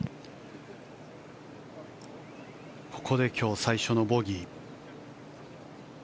ここで今日最初のボギー。